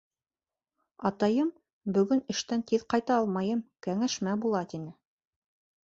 Атайым, бөгөн эштән тиҙ ҡайта алмайым, кәңәшмә була, тине.